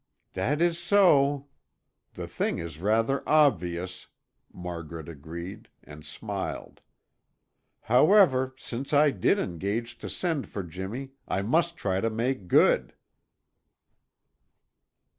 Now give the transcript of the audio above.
"That is so. The thing is rather obvious," Margaret agreed and smiled. "However, since I did engage to send for Jimmy, I must try to make good."